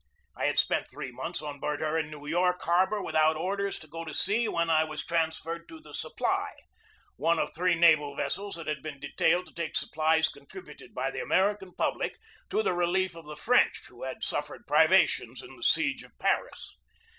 I had spent three months on board her in New York harbor without orders to go to sea when I was transferred to the Supply, one of three naval vessels that had been detailed to take supplies contributed by the American public to the relief of the French who had suffered privations in the siege of Paris.